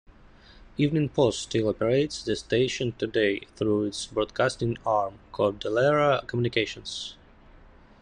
Evening Post still operates the station today through its broadcasting arm, Cordillera Communications.